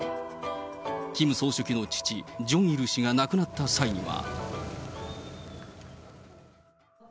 キム総書記の父、ジョンイル氏が亡くなった際には。